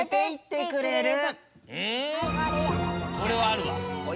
これはあるわ。